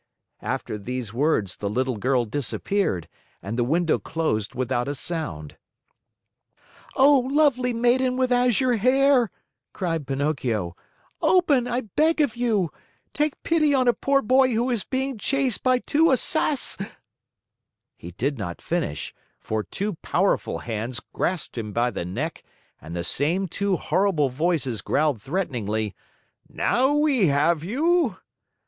After these words, the little girl disappeared and the window closed without a sound. "Oh, Lovely Maiden with Azure Hair," cried Pinocchio, "open, I beg of you. Take pity on a poor boy who is being chased by two Assass " He did not finish, for two powerful hands grasped him by the neck and the same two horrible voices growled threateningly: "Now we have you!"